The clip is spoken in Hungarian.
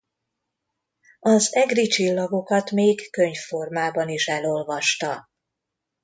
Az Egri csillagokat még könyv formában is elolvasta.